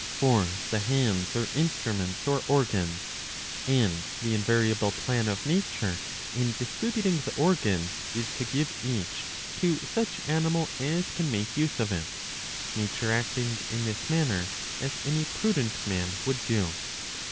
For the hands are instruments or. organs, and the invariable plan of nature in distributing the organs is to give each to such animal as can make use of it; nature acting in this matter as any prudent man would do.